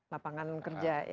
lapangan kerja ya